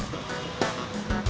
saya mau beli beras